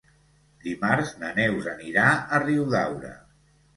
Dimarts na Neus anirà a Riudaura.